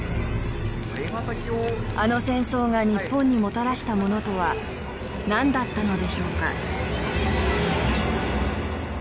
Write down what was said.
あの戦争が日本にもたらしたものとはなんだったのでしょうか？